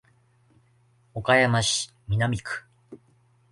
岡山市南区